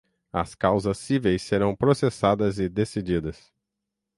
As causas cíveis serão processadas e decididas